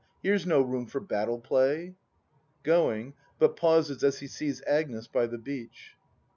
Here's no room for battle play! [Goiiig; hut pauses as he sees Agnes by the heach.